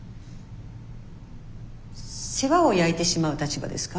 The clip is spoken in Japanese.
世話を焼いてしまう立場ですか？